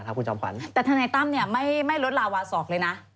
แต่ธนายตั้มเนี่ยไม่ลดลาวาศอกเลยนะ